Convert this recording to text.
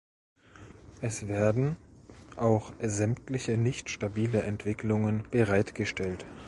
Es werden auch sämtliche nicht stabile Entwicklungen bereitgestellt.